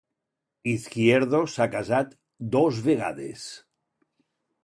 Izquierdo s'ha casat dos vegades.